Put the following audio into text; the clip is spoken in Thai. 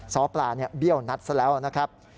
ซ้อปลาเบี้ยวนัดซะแล้วนะครับ